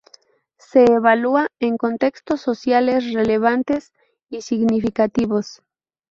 Se evalúa en contextos sociales relevantes y significativos.